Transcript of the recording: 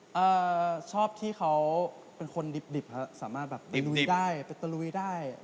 อ่าชอบที่เค้าเป็นคนดิบสามารถแบบไปลุยได้ไปตะลุยได้